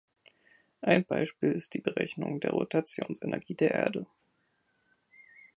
Ein Beispiel ist die Berechnung der Rotationsenergie der Erde.